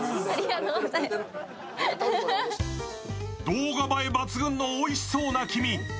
動画映え抜群のおいしそうな黄身。